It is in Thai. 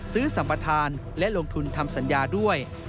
สัมปทานและลงทุนทำสัญญาด้วย